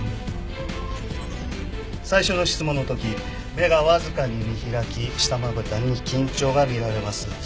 最初の質問の時目がわずかに見開き下まぶたに緊張が見られます。